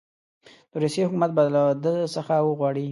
د روسیې حکومت به له ده څخه وغواړي.